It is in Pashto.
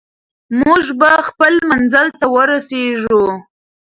موږ به خپل منزل ته ورسېږو.